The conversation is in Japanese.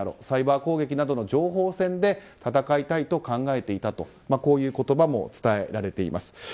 サイバー攻撃などの情報戦で戦いたいと考えていたという言葉も伝えられています。